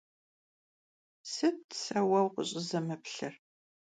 Sıt se vue vukhış'ızemıplhır?